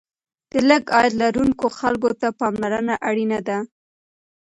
د لږ عاید لرونکو خلکو ته پاملرنه اړینه ده.